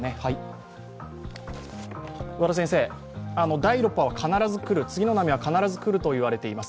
第６波は必ず来る、次の波は必ず来ると言われています。